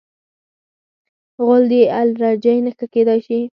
غول د الرجۍ نښه کېدای شي.